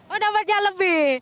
oh dapatnya lebih